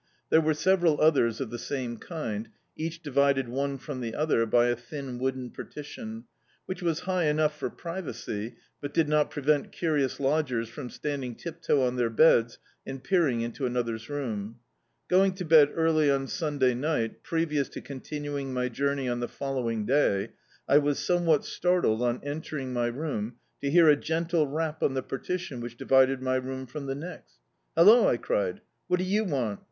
There were several others of the same kind, each divided one ftom the other by a thin wooden partition, which was high enough for privacy, but did not prevent curious lodgers from standing rip toe on their beds, and peering into another's room. Going to bed early on Sunday ni^t, previous to continuing my journey on the following day, I was somewhat startled on entering my room, to hear a gentle rap on the partition which divided my room from the next. "Hallo!" I cried, "what do you want?"